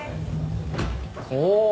お！